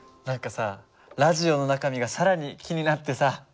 何かさラジオの中身が更に気になってさ。